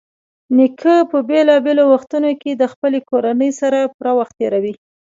نیکه په بېلابېلو وختونو کې د خپلې کورنۍ سره پوره وخت تېروي.